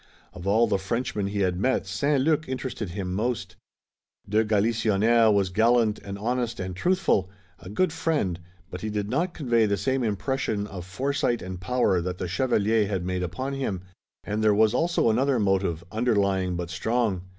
Of all the Frenchmen he had met St. Luc interested him most. De Galisonnière was gallant and honest and truthful, a good friend, but he did not convey the same impression of foresight and power that the chevalier had made upon him, and there was also another motive, underlying but strong.